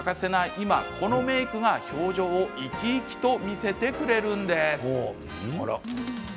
今このメークが表情を生き生きと見せてくれるんです。